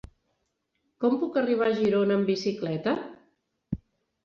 Com puc arribar a Girona amb bicicleta?